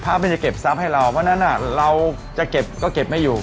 มันจะเก็บทรัพย์ให้เราเพราะฉะนั้นเราจะเก็บก็เก็บไม่อยู่